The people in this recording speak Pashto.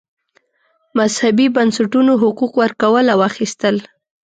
مذهبي بنسټونو حقوق ورکول او اخیستل.